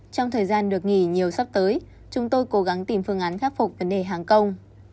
trong thời gian được nghỉ nhiều sắp tới chúng tôi cố gắng tìm phương án khắc phục vấn đề hàng công